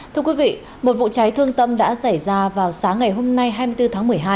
thưa quý vị một vụ cháy thương tâm đã xảy ra vào sáng ngày hôm nay hai mươi bốn tháng một mươi hai